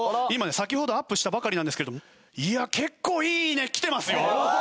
今ね先ほどアップしたばかりなんですけれどもいや結構いいね来てますよ。